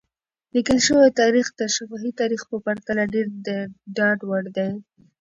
لیکل شوی تاریخ د شفاهي تاریخ په پرتله ډېر د ډاډ وړ وي.